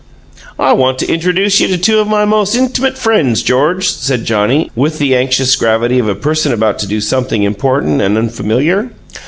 "I want to intradooce you to two of my most int'mut friends, George," said Johnnie, with the anxious gravity of a person about to do something important and unfamiliar.